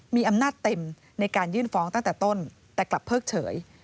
มีอำนาจเต็มในการยื่นฟ้องตั้งแต่ต้นแต่กลับเพิกเฉย